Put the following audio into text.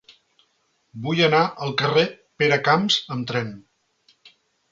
Vull anar al carrer de Peracamps amb tren.